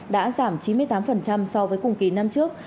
đã giảm chín mươi tám so với cùng kỳ năm trước